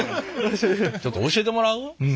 ちょっと教えてもらう？